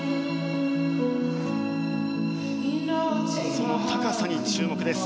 その高さに注目です。